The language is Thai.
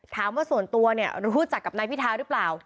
ถามว่าส่วนตัวเนี่ยรู้จักกับนายพิทาหรือเปล่า